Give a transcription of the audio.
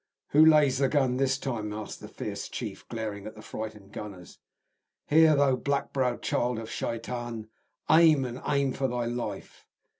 "Who lays the gun this time?" asked the fierce chief, glaring at the frightened gunners." Here, thou black browed child of Shaitan, aim, and aim for thy life."